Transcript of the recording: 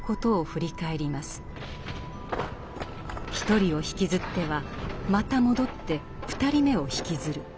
１人を引きずってはまた戻って２人目を引きずる。